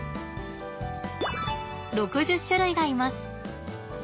６０種類がいます。